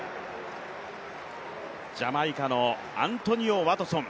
ジャマイカのアントニオ・ワトソン。